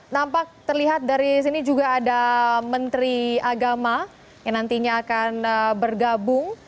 nampak terlihat dari sini juga ada menteri agama yang nantinya akan bergabung